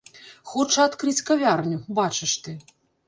Хоча адкрыць кавярню, бачыш ты!